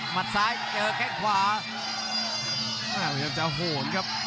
หมัดซ้ายเจอแข้งขวาอ่าเหมือนกันจะโหดครับ